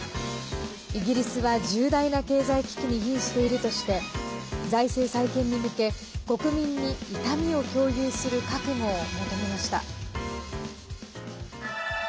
イギリスは重大な経済危機にひんしているとして財政再建に向け、国民に痛みを共有する覚悟を求めました。